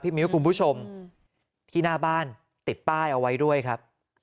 มิ้วคุณผู้ชมที่หน้าบ้านติดป้ายเอาไว้ด้วยครับ